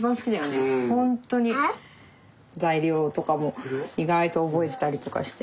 材料とかも意外と覚えてたりとかしてね。